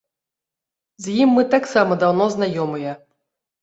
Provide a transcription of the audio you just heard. З ім мы таксама даўно знаёмыя.